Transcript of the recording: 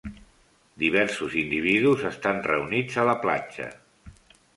Diversos individus estan reunits a la platja.